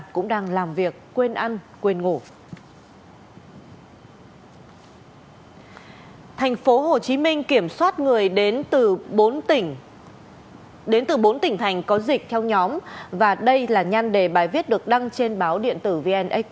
cùng với phần trình bày của bntv